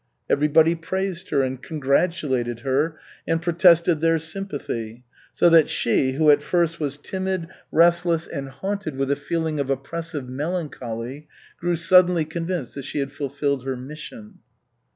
Everybody praised her and congratulated her and protested their sympathy, so that she, who at first was timid, restless, and haunted with a feeling of oppressive melancholy, grew suddenly convinced that she had fulfilled her mission.